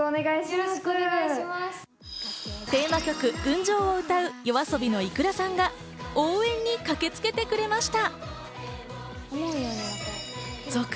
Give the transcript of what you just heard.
テーマ曲『群青』を歌うＹＯＡＳＯＢＩのｉｋｕｒａさんが応援に駆けつけてくれました。